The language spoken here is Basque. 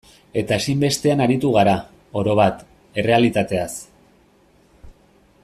Eta ezinbestean aritu gara, orobat, errealitateaz.